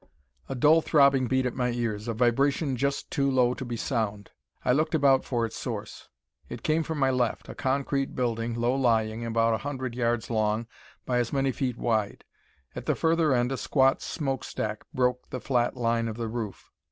A dull throbbing beat at my ears, a vibration just too low to be sound. I looked about for its source. It came from my left a concrete building, low lying, about a hundred yards long by as many feet wide. At the further end a squat smokestack broke the flat line of the roof.